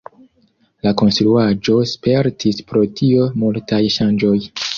La konstruaĵo spertis pro tio multaj ŝanĝoj.